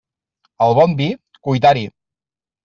Al bon vi, cuitar-hi.